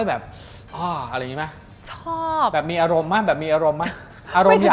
อ๋ออะไรอย่างงี้มั้ย